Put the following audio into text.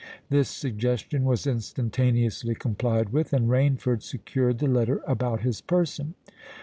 This suggestion was instantaneously complied with; and Rainford secured the letter about his person.